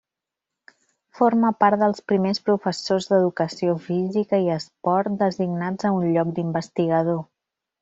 Forma part dels primers professors d'educació física i esport designats a un lloc d'investigador.